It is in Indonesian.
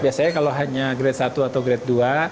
biasanya kalau hanya grade satu atau grade dua